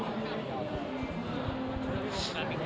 มันยอดทั้งประโยคเกิด